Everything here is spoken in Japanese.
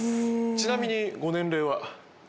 ちなみにご年齢は？